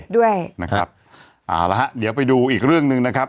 เดี๋ยวไปดูอีกเรื่องนึงนะครับ